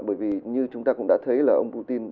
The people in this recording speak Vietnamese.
bởi vì như chúng ta cũng đã thấy là ông putin